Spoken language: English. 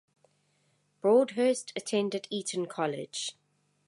Broadhurst attended Eton College.